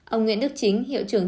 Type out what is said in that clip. ông nguyễn đức chính hiệu trưởng